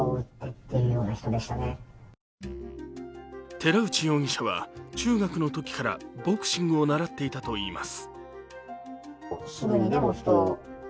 寺内容疑者は、中学のときからボクシングを習っていたといいます。